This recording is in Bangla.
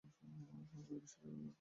সমগ্র বিশ্বেরও ঐ একই গতি।